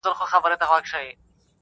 ورشئ وګورئ ما کومه خبره